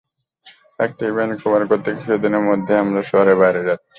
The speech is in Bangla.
একটা ইভেন্ট কভার করতে কিছুদিনের মধ্যেই আমরা শহরের বাইরে যাচ্ছি।